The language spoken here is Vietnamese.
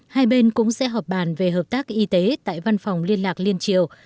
hai bên cũng sẽ họp bàn về hợp tác y tế tại văn phòng liên lạc liên triều